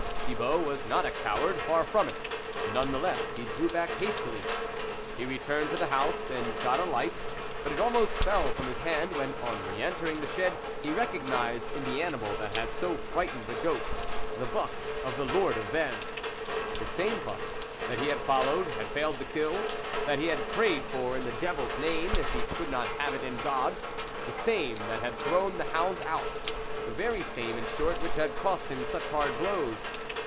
Thibault was not a coward, far from it, none the less, he drew back hastily. He returned to the house and got a light, but it almost fell from his hand, when, on re entering the shed, he recognised in the animal that had so frightened the goat, the buck of the Lord of Vez ; the same buck that he had followed, had failed to kill, that he had prayed for in the devil's name, if he could not have it in God's ; the same that had thrown the hounds out ; the very same in short which had cost him such hard blows.